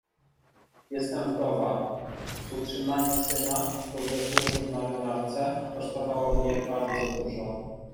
"Jestem wdowa, utrzymanie syna, który służy w marynarce, kosztowało mnie bardzo dużo."